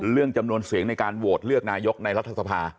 จำนวนเสียงในการโหวตเลือกนายกในรัฐสภา